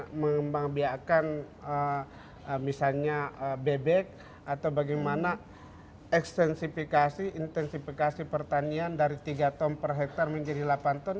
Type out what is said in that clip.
bagaimana cara mengembangkan misalnya bebek atau bagaimana intensifikasi pertanian dari tiga ton per hektar menjadi delapan ton